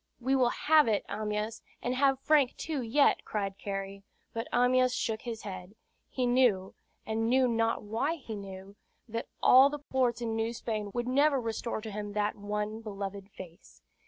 "We will have it, Amyas, and have Frank too, yet," cried Cary; but Amyas shook his head. He knew, and knew not why he knew, that all the ports in New Spain would never restore to him that one beloved face.